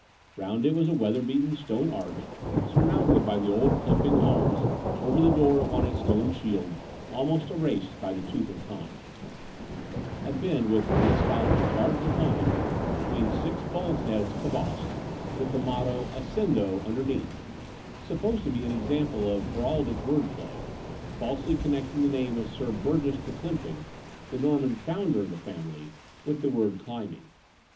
Round it was a weather beaten stone arch, surmounted by the old Clympynge arms over the door upon a stone shield, almost erased by the tooth of time — a bend with Between London and Clymplng 159 three escallops charged upon it, between six bulls' heads cabossed, with the motto "Ascendo" under neath — supposed to be an example of heraldic word play, falsely connecting the name of Sir Burgess de Clympjmge, the Norman founder olthe family, with the word "climbing."